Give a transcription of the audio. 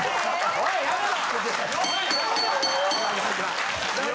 おいやめろ！